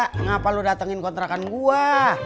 kenapa lu datengin kontrakan gua